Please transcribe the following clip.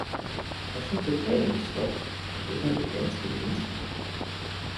Og så blev grenen stolt, og det var jo ganske menneskeligt